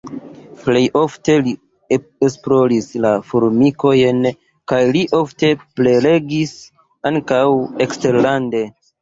Plej ofte li esploris la formikojn kaj li ofte prelegis ankaŭ eksterlande.